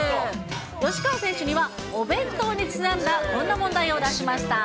吉川選手には、お弁当にちなんだこんな問題を出しました。